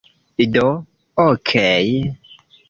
Do... okej